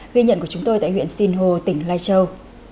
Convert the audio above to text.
ghi nhận của chúng tôi tại huyện sinh hồ tỉnh lai châu